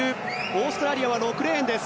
オーストラリア、６レーンです。